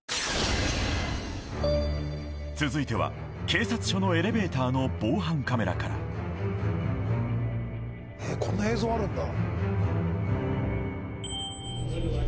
続いては警察署のエレベーターの防犯カメラからえっこんな映像あるんだ？